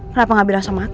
kenapa gak bilang sama aku